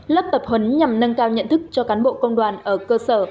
lớp tập huấn nhằm nâng cao nhận thức cho cán bộ công đoàn ở cơ sở